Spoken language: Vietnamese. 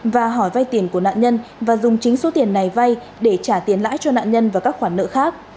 và hỏi vay tiền của nạn nhân và dùng chính số tiền này vay để trả tiền lãi cho nạn nhân và các khoản nợ khác